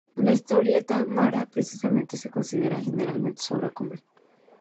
La historieta "Mara" precisamente se considera generalmente su obra cumbre.